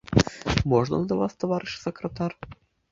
Можна да вас, таварыш сакратар?